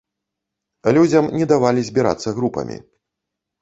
Людзям не давалі збірацца групамі.